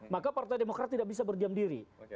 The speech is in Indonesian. maka partai demokrat tidak bisa berdiam diri